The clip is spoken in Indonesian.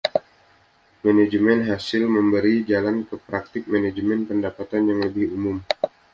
Manajemen hasil memberi jalan ke praktik manajemen pendapatan yang lebih umum.